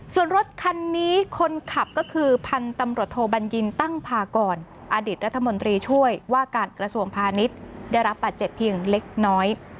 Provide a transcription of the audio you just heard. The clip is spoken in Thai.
ส่วนรถคันนี้คนขับก็คือพันธุ์ตำรวจโทบัญญินตั้งพากรอดิษฐรัฐมนตรีช่วยว่าการกระทรวงพาณิชย์ได้รับบาดเจ็บเพียงเล็กน้อย